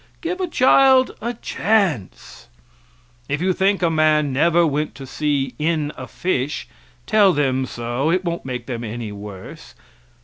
Give a child a chance. If you think a man never went to sea in a fish, tell them so, it won't make them any worse.